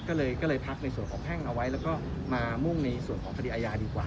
ก็เลยพักในส่วนของแพ่งเอาไว้แล้วก็มามุ่งในส่วนของคดีอาญาดีกว่า